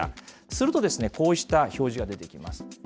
すると、こうした表示が出てきます。